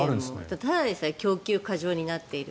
ただでさえ供給過剰になっている。